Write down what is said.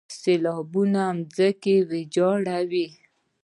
سیلابونه ځمکې ویجاړوي.